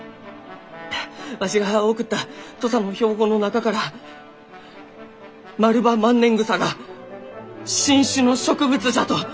わしが送った土佐の標本の中からマルバマンネングサが新種の植物じゃと認められたがじゃき！